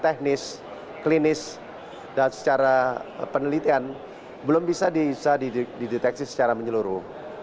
teknis klinis dan secara penelitian belum bisa dideteksi secara menyeluruh